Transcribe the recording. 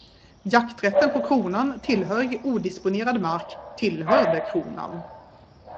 Jakträtten på kronan tillhörig odisponerad mark tillhörde kronan.